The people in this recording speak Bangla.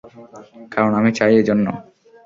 কারন আমি চাই, এজন্য।